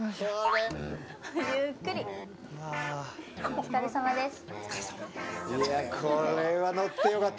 お疲れさまです。